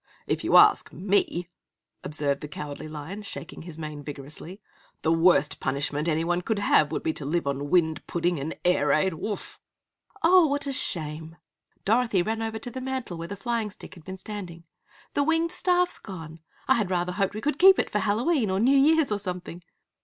"If you ask me," observed the Cowardly Lion, shaking his mane vigorously, "the worst punishment anyone could have would be to live on wind pudding and air ade. Wooof!" "Oh, what a shame!" Dorothy ran over to the mantel where the flying stick had been standing. "The winged staff's gone! I rather had hoped we could keep it for Hallow'een or New Year's or something!"